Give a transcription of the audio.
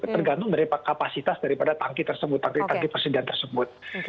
tergantung dari kapasitas daripada tanki tersebut tanki tanki persediaan tersebut